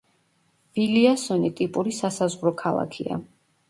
ვილიასონი ტიპური სასაზღვრო ქალაქია.